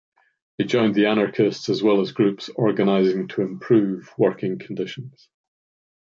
He joined the anarchists as well as groups organizing to improve working conditions.